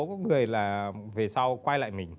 có một số người là về sau quay lại mình